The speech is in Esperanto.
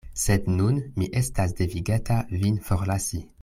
Sed nun mi estas devigata vin forlasi.